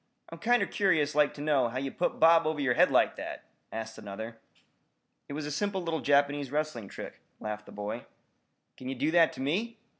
I'm kinder curious like to know how ye put Bob over yer head like that!" asked another. "It was a simple little Japanese wrestling trick," laughed the boy. "Kin ye do that to me?"